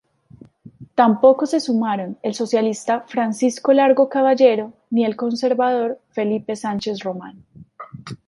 Tampoco se sumaron el socialista Francisco Largo Caballero ni el conservador Felipe Sánchez Román.